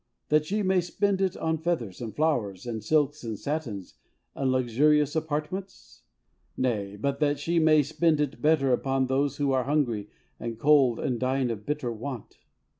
That she may spend it on feathers and flowers, and silks and satins, and luxurious apartments? Nay, but that she may spend it upon those who are hungry and cold and dying of bitter want.